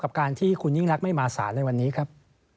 กับการที่คุณยิ่งรักไม่มาสารในวันนี้ครับ